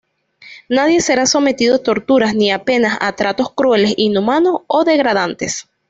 Nadie será sometido a torturas ni a penas o tratos crueles, inhumanos o degradantes.